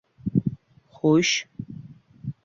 Xo‘sh